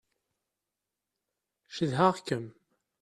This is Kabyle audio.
Cedhaɣ-kem.